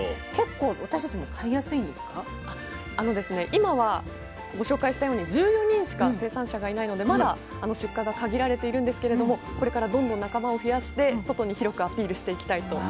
今はご紹介したように１４人しか生産者がいないのでまだ出荷が限られているんですけれどもこれからどんどん仲間を増やして外に広くアピールしていきたいと皆さんおっしゃってました。